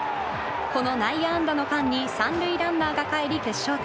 この内野安打の間に３塁ランナーがかえり決勝点。